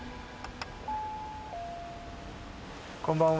こんばんは。